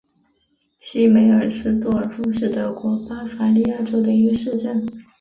西梅尔斯多尔夫是德国巴伐利亚州的一个市镇。